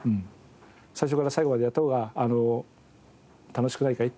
最初から最後までやった方が楽しくないかい？